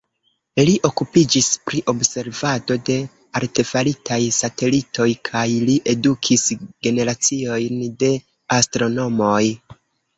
Li okupiĝis pri observado de artefaritaj satelitoj kaj li edukis generaciojn de astronomoj.